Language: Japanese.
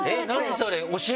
それ。